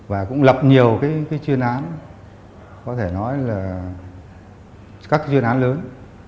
và cũng lập nhiều cái chuyên án có thể nói là các chuyên án lớn